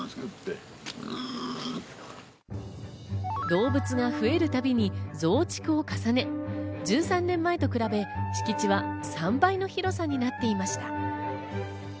動物が増えるたびに増築を重ね、１３年前と比べ、敷地は３倍の広さになっていました。